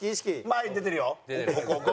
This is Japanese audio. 前に出てるよ。